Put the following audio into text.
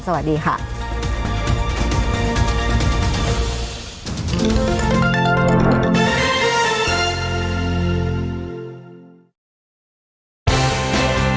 สวัสดีครับ